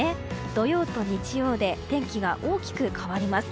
土曜と日曜で天気が大きく変わります。